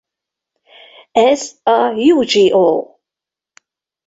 Ez a Yu-Gi-Oh!